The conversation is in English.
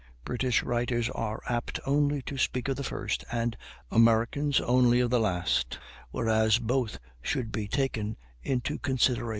British writers are apt only to speak of the first, and Americans only of the last, whereas both should be taken into consideration.